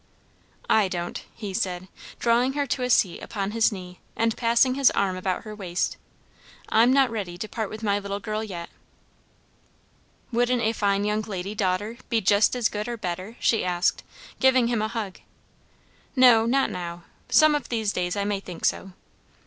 "I don't," he said, drawing her to a seat upon his knee, and passing his arm about her waist, "I'm not ready to part with my little girl yet." "Wouldn't a fine young lady daughter be just as good or better?" she asked, giving him a hug. "No, not now, some of these days I may think so."